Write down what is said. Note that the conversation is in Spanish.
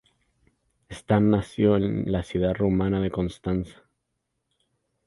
Stan nació en la ciudad rumana de Constanza.